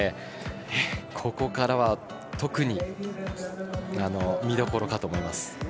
ここからは特に見どころだと思います。